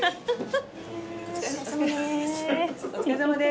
お疲れさまです。